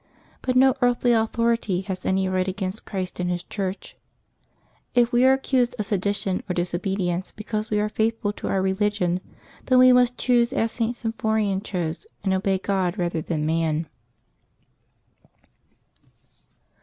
But no earthly authority has any right against Christ and His Church. If we are accused of sedition or disobedience because we are faithful to our religion, then we must choose as St. Symphorian chose, and obey God rather than man.